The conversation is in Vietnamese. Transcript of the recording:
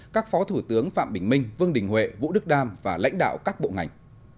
các phó thủ tướng phạm bình minh vương đình huệ vũ đức đam và lãnh đạo các bộ ngành